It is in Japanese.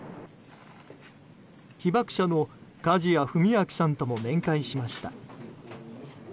被爆者の梶矢文昭さんとも面会しました。